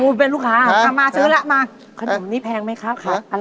นมพูเป็นลูกค้ามาซื้อละขนมนี่แพงไหมคะ